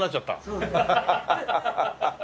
そうですね。